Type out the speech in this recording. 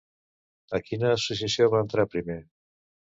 A quina associació va entrar primer?